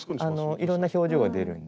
いろんな表情が出るんで。